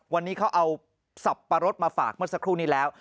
วันนี้เขาเอาสับปะรดมาฝากเมื่อสักครู่นี้แล้ว